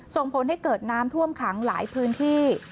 ส่งผลให้เกิดน้ำท่วมขังหลายพื้นที่